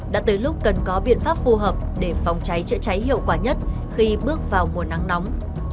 đã tới lúc cần có biện pháp phù hợp để phòng cháy chữa cháy hiệu quả nhất khi bước vào mùa nắng nóng